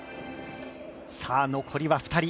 残りは２人。